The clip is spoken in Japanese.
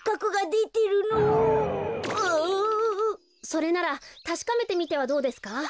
それならたしかめてみてはどうですか？